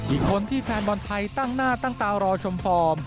อีกคนที่แฟนบอลไทยตั้งหน้าตั้งตารอชมฟอร์ม